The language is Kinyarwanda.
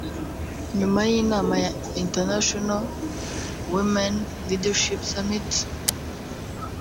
nyuma y'inama ya 'International Women Leadership Summit'